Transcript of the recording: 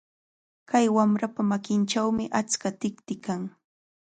Kay wamrapa makinchawmi achka tikti kan.